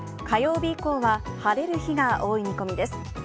火曜日以降は晴れる日が多い見込みです。